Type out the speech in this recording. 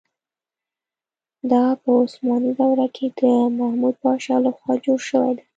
دا په عثماني دوره کې د محمد پاشا له خوا جوړه شوې ده.